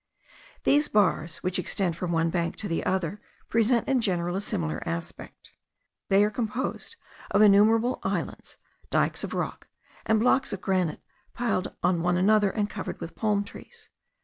These bars, which extend from one bank to the other, present in general a similar aspect: they are composed of innumerable islands, dikes of rock, and blocks of granite piled on one another and covered with palm trees.